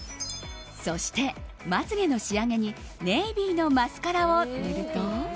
そして、まつ毛の仕上げにネイビーのマスカラを塗ると。